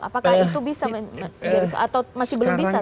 apakah itu bisa atau masih belum bisa